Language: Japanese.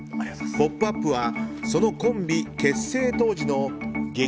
「ポップＵＰ！」はそのコンビ結成当時の激